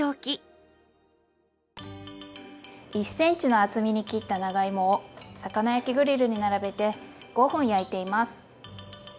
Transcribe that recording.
１ｃｍの厚みに切った長芋を魚焼きグリルに並べて５分焼いています。